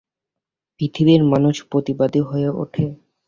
পৃথিবীর মানুষ প্রতিবাদী হয়ে ওঠে।